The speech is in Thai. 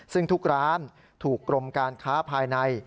ซึ่งทุกร้านถูกกรมการค้าภายใน